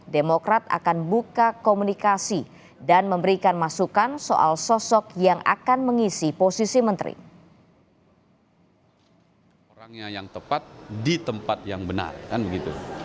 demokrat akan buka komunikasi dan memberikan masukan soal sosok yang akan mengisi posisi menteri